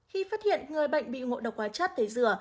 khi phát hiện người bệnh bị ngộ độc hóa chất thấy dừa